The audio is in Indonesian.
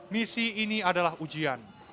misi ini adalah ujian